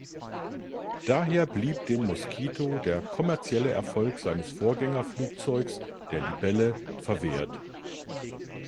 Daher blieb dem Mosquito der kommerzielle Erfolg seines Vorgänger-Flugzeuges, der Libelle, verwehrt.